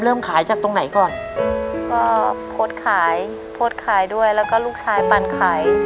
เริ่มขายจากตรงไหนก่อนก็โพสต์ขายโพสต์ขายด้วยแล้วก็ลูกชายปั่นขาย